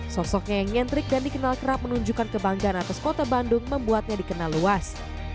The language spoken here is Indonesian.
sosoknya yang nyentrik dan dikenal kerap menunjukkan kebanggaan atas kota bandung membuatnya dikenal luas